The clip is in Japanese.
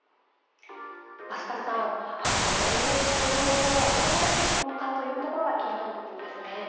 増田さん、これで市場の動揺が収まるのかというところが気になるところですね。